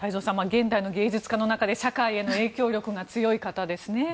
現代の芸術家の中で社会への影響力が強い方ですね。